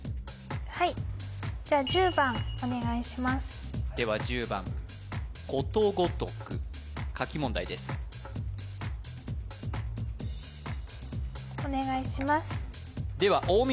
はいじゃ１０番お願いしますでは１０番ことごとく書き問題ですお願いしますでは大道